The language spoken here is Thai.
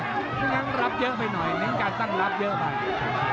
เพราะฉะนั้นรับเยอะไปหน่อยเน้นการตั้งรับเยอะไป